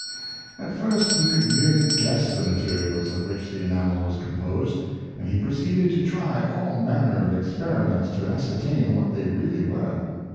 At first he could merely guess the materials of which the enamel was composed, and he proceeded to try all manner of experiments to ascertain what they really were.